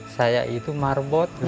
saya itu marbot